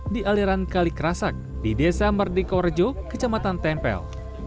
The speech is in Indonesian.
di aliran kalikrasak di desa mardikorjo kecamatan tempel